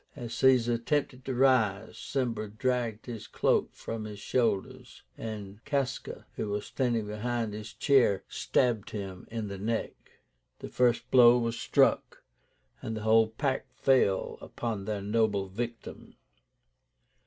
As Caesar attempted to rise, Cimber dragged his cloak from his shoulders, and Casca, who was standing behind his chair, stabbed him in the neck. The first blow was struck, and the whole pack fell upon their noble victim.